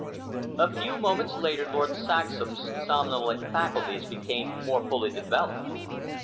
A few moments later, Lord Saxham's somnolent faculties became more fully developed.